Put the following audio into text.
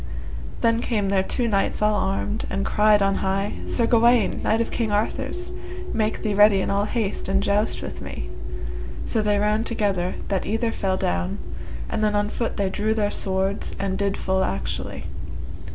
Then came there two knights all armed, and cried on high, Sir Gawaine! knight of King Arthur's, make thee ready in all haste and joust with me. So they ran together, that either fell down, and then on foot they drew their swords, and did full actually.